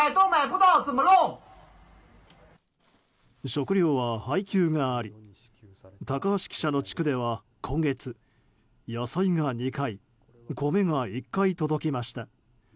食料は配給があり高橋記者の地区では今月、野菜が２回米が１回届きました。